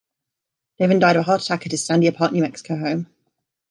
Davern died of a heart attack at his Sandia Park, New Mexico home.